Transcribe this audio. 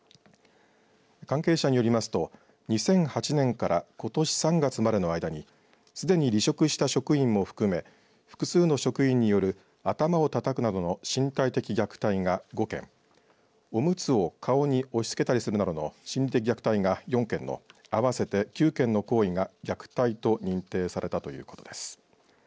関係者によりますと２００８年からことし３月までの間にすでに離職した職員も含め複数の職員による頭をたたくなどの身体的虐待が５件おむつを顔に押し付けたりするなどの心理的虐待が４．６合わせて９件の行為が虐待と認定されたということです。